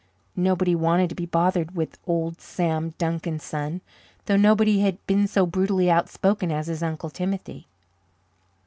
Nobody wanted to be bothered with "Old Sam Duncan's son," though nobody had been so brutally outspoken as his Uncle Timothy.